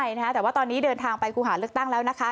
ใช่นะคะแต่ว่าตอนนี้เดินทางไปกูหาเลือกตั้งแล้วนะคะ